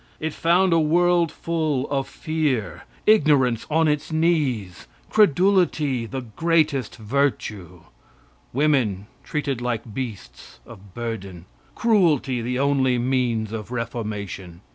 It found a world full of fear, ignorance upon its knees; credulity the greatest virtue; women treated like beasts, of burden; cruelty the only means of reformation.